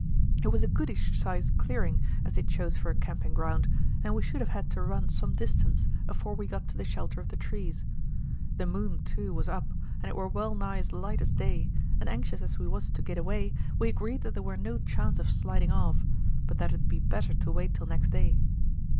"It was a goodish size clearing as they'd chose for a camping ground, and we should have had to run some distance afore we got to the shelter of the trees. The moon too was up, and it were well nigh as light as day, and anxious as we was to git away, we agreed that there were no chance of sliding off, but that it'd be better to wait till next day.